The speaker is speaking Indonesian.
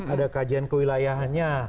ada kajian kewilayahannya